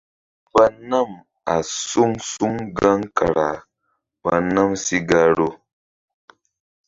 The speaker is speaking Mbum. Mba nam a suŋ suŋ gaŋ kara ɓa nam sí gahru.